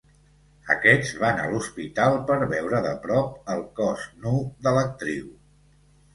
Aquests van a l'hospital per veure de prop el cos nu de l'actriu.